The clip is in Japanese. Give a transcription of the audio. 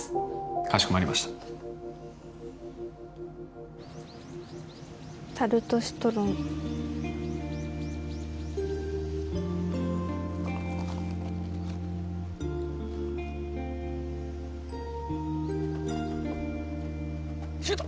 かしこまりましたタルトシトロンシュート